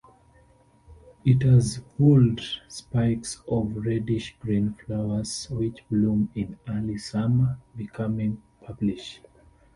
It has whorled spikes of reddish-green flowers, which bloom in early summer, becoming purplish.